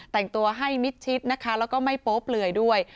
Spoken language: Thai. แต่งตัวให้มิดชิดนะคะแล้วก็ไม่โป๊เปลือยด้วย